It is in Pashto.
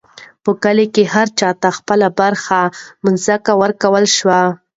په کلي کې هر چا ته خپله برخه مځکه ورکړل شوه.